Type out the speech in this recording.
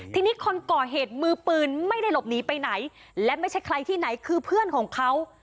ทีนี้คนก่อเหตุมือปืนไม่ได้หลบหนีไปไหนและไม่ใช่ใครที่ไหนคือเพื่อนของเขา